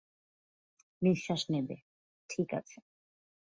নিশ্বাস নেবে, ঠিক আছে।